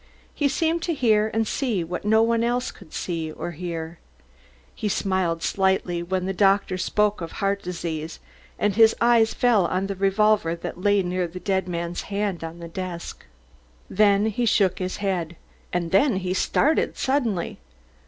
He seemed to hear and see what no one else could see or hear. He smiled slightly when the doctor spoke of "heart disease," and his eyes fell on the revolver that lay near the dead man's hand on the desk. Then he shook his head, and then he started suddenly.